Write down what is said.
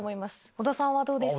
小田さんはどうですか？